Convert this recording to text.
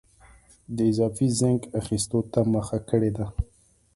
د اضافي زېنک اخیستو ته مخه کړې ده.